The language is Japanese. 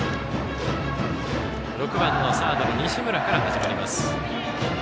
６番のサードの西村から始まります。